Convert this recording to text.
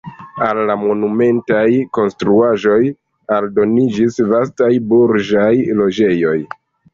Al la monumentaj konstruaĵoj aldoniĝis vastaj burĝaj loĝejoj.